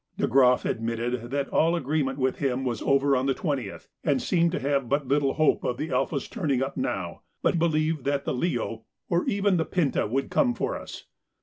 De Groff admitted that all agreement with him was over on the 20th, and seemed to have but little hope of the 'Alpha's' turning up now, but believed that the 'Leo,' or even the 'Pinta,' would come for us.